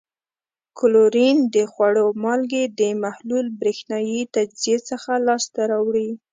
کلورین د خوړو مالګې د محلول برېښنايي تجزیې څخه لاس ته راوړي.